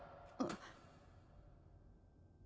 あっ。